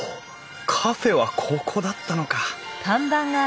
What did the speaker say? カフェはここだったのか。